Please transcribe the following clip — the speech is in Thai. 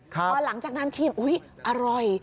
พอหลังจากนั้นชิมอุ๊ยอร่อย